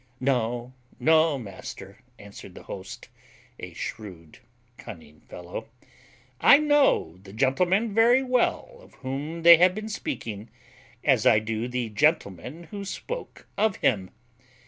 "No, no, master," answered the host (a shrewd, cunning fellow); "I know the gentleman very well of whom they have been speaking, as I do the gentlemen who spoke of him.